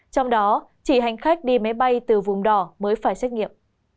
trong đó chỉ hành khách đi máy bay từ vùng đỏ mới phải xét nghiệm